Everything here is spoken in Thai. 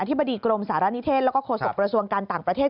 ธิบดีกรมสารณิเทศแล้วก็โฆษกระทรวงการต่างประเทศ